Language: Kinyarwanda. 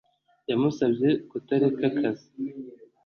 Yamusabye kutareka akazi